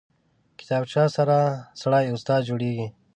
کتابچه سره سړی استاد جوړېږي